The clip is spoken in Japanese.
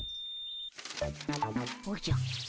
おじゃ。